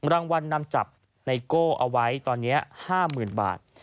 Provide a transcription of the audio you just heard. รางวัลนำจับไนโก้เอาไว้ตอนนี้๕๐๐๐บาท